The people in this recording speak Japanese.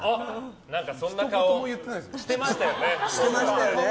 そんな顔してましたよね。